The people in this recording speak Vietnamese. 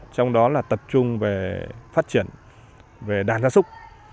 trong đó là tập trung về phát triển về đàn gia súc